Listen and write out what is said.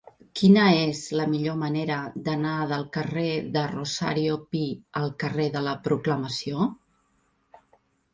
Quina és la millor manera d'anar del carrer de Rosario Pi al carrer de la Proclamació?